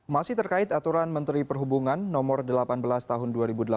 masih terkait aturan menteri perhubungan no delapan belas tahun dua ribu delapan belas